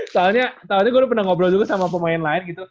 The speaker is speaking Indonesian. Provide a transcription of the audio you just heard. soalnya gue udah pernah ngobrol dulu sama pemain lain